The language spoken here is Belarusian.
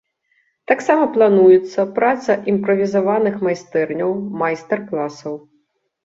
Таксама плануецца праца імправізаваных майстэрняў, майстар-класаў.